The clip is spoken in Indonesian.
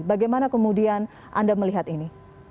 bagaimana kemudian anda melihat ini